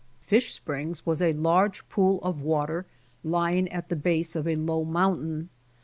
Fish springs was a large pool of water lying at the base of a low mountain.